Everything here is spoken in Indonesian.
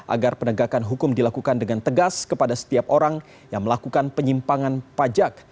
agar penegakan hukum dilakukan dengan tegas kepada setiap orang yang melakukan penyimpangan pajak